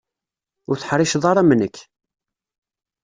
Ur teḥṛiceḍ ara am nekk.